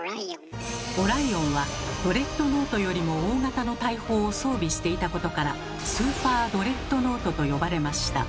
オライオンはドレッドノートよりも大型の大砲を装備していたことから「スーパードレッドノート」と呼ばれました。